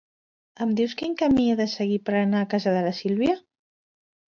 Em dius quin camí he de seguir per anar a casa de la Sílvia?